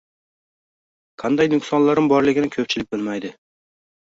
Qanday nuqsonlarim borligini koʻpchilik bilmaydi